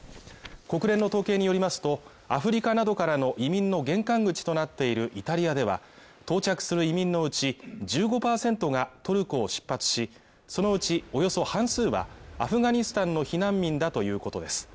国連の統計によりますと、アフリカなどからの移民の玄関口となっているイタリアでは到着する移民のうち１５％がトルコを出発し、そのうちおよそ半数はアフガニスタンの避難民だということです。